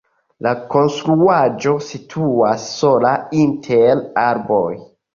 La konstruaĵo situas sola inter arboj.